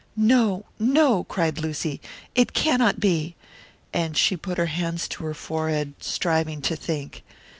"No, no," cried Lucy, "it cannot be!" And she put her hands to her forehead, striving to think.